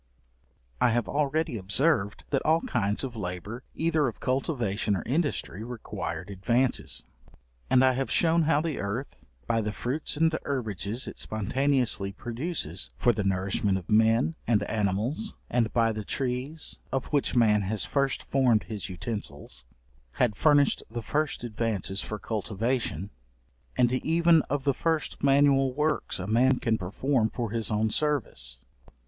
I have already observed, that all kinds of labour, either of cultivation or industry, required advances. And I have shewn how the earth, by the fruits and herbages it spontaneously produces for the nourishment of men and animals, and by the trees, of which man has first formed his utensils, had furnished the first advances for cultivation; and even of the first manual works a man can perform for his own service.